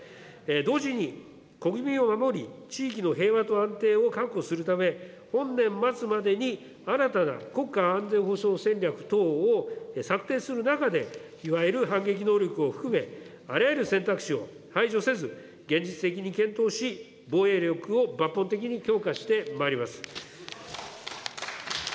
同時に、国民を守り、地域の平和と安定を確保するため、本年末までに新たな国家安全保障戦略等を策定する中で、いわゆる反撃能力を含め、あらゆる選択肢を排除せず、現実的に検討し、防衛力を抜本的に強化してまいります。